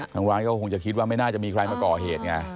ทางร้านก็คงจะคิดว่าไม่น่าจะมีใครมาก่อเหตุไง